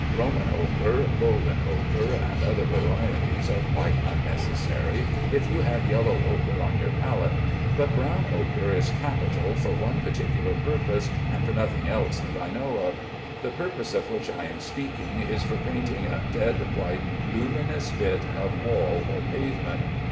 Roman ochre, golden ochre, and other varieties are quite unnecessary if you have yellow ochre on your palette; but brown ochre is capital for one particular purpose, and for nothing else that I know of. The purpose of which I am speaking is for painting a dead white luminous bit of wall or pavement.